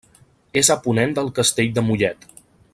És a ponent del Castell de Mollet.